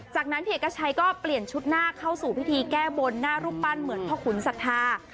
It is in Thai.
จากนั้นพี่เอกชัยก็เปลี่ยนชุดหน้าเข้าสู่พิธีแก้บนหน้ารูปปั้นเหมือนพ่อขุนศรัทธา